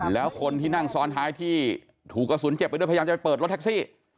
แล้วคนที่นั่งซ้อนท้ายที่ถูกกระสุนเจ็บไปด้วยพยายามจะไปเปิดรถแท็กซี่